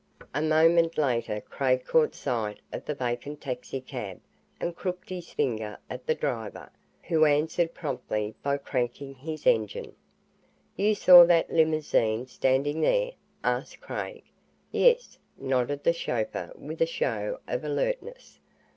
A moment later Craig caught sight of the vacant taxicab and crooked his finger at the driver, who answered promptly by cranking his engine. "You saw that limousine standing there?" asked Craig. "Yes," nodded the chauffeur with a show of alertness.